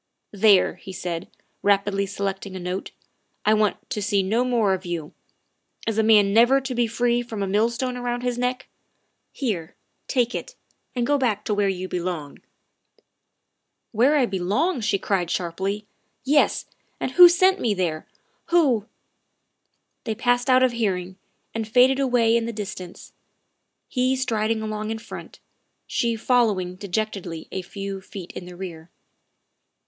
" There," he said, rapidly selecting a note, " I want to see no more of you. Is a man never to be free from a millstone about his neck? Here, take it, and go back where you belong." 266 THE WIFE OF " Where I belong?" she cried sharply; " yes, and who sent me there, who " They passed out of hearing and faded away in the distance, he striding along in front, she following de jectedly a few feet in the rear.